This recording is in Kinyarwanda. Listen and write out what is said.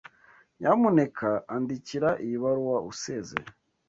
Nyamuneka andikira iyi baruwa usezera